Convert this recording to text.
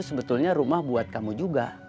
sebetulnya rumah buat kamu juga